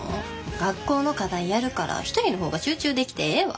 学校の課題やるから１人の方が集中できてええわ。